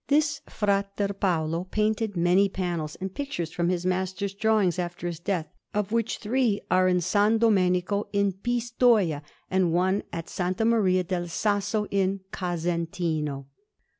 This Fra Paolo painted many panels and pictures from his master's drawings, after his death; of which three are in S. Domenico at Pistoia, and one at S. Maria del Sasso in the Casentino.